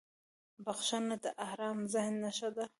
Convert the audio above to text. • بخښنه د آرام ذهن نښه ده.